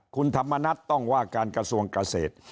คุณธรรมนัฐต้องว่าการกระทรวงเกษตร